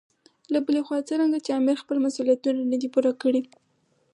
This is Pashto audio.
له بلې خوا څرنګه چې امیر خپل مسولیتونه نه دي پوره کړي.